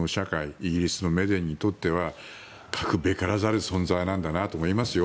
イギリスのメディアにとっては欠くべからざる存在なんだと思いますね。